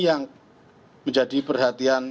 yang menjadi perhatian